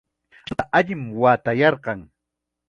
Ashnuta allim watayarqan.